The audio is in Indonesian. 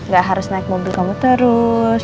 gak harus naik mobil kamu terus